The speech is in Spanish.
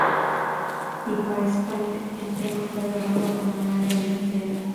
Y para España el tema fue grabado con Amaia Montero.